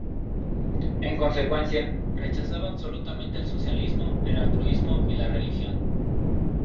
En consecuencia, rechazaba absolutamente el socialismo, el altruismo y la religión.